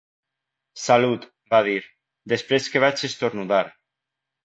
Salut, va dir, després que vaig esternudar.